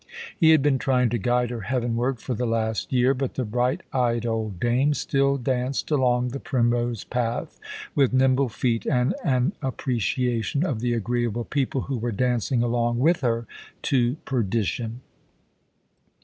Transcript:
He had been trying to guide her heavenward for the last year, but the bright eyed old dame still danced along the primrose path with nimble feet and an appreciation of the agreeable people who were dancing along with her to perdition.